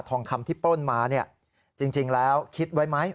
ทองคำที่ปล้นมาเนี่ยจริงแล้วคิดไว้ไหม